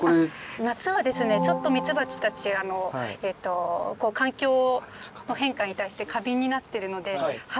夏はちょっとミツバチたち環境の変化に対して過敏になってるので。